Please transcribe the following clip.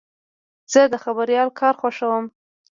زه د خبریال کار خوښوم.